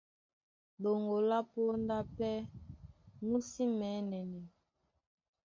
Ɗoŋgo lá póndá pɛ́ mú sí mɛ̌nɛnɛ.